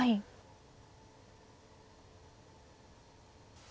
はい。